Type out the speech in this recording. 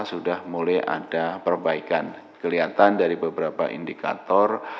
sudah mulai ada perbaikan kelihatan dari beberapa indikator